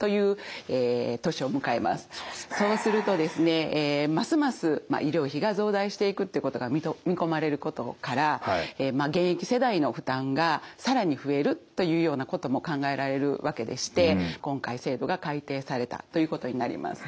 そうするとですねますます医療費が増大していくってことが見込まれることから現役世代の負担が更に増えるというようなことも考えられるわけでして今回制度が改定されたということになります。